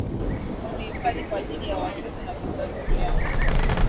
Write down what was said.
Kuzihifadhi kwa ajili ya watoto na vizazi vijavyo.